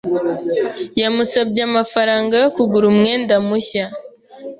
Yamusabye amafaranga yo kugura umwenda mushya.